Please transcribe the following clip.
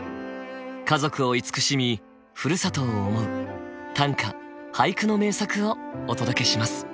家族を慈しみふるさとを思う短歌・俳句の名作をお届けします。